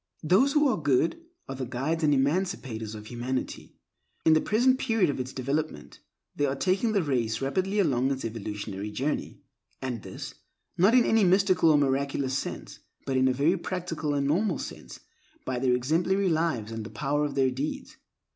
Those who are good are the guides and emancipators of humanity. In the present period of its development, they are taking the race rapidly along in its evolutionary journey; and this, not in any mystical or miraculous sense, but in a very practical and normal sense, by their exemplary lives, by the power of their deeds.